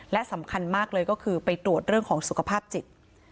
และสำคัญมากเลยก็คือไปตรวจเรื่องของสุขภาพจิต